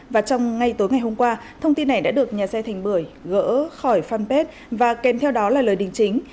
và trong ngay tối ngày hôm qua thông tin này đã được nhà xe thành bưởi gỡ khỏi fanpage và kèm theo đó là lời đính chính